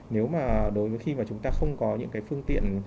nếu mà đối với khi mà chúng ta không có những cái phương tiện